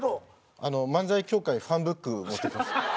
『漫才協会ファンブック』持ってきました。